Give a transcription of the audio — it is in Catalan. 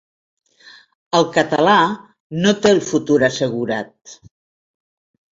El català no té el futur assegurat.